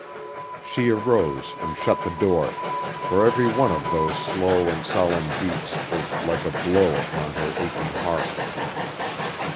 She arose and shut the door, for every one of those slow and solemn beats was like a blow upon her aching heart.